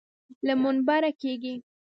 له منبره کېږي.